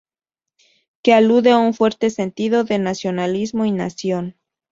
Que alude a un fuerte sentido de nacionalismo y nación.